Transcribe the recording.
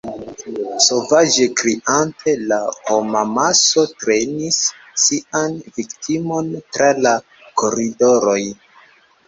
Sovaĝe kriante, la homamaso trenis sian viktimon tra la koridoroj.